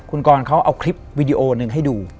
คุณกรเขาเอาคลิปวิดีโอหนึ่งให้ดู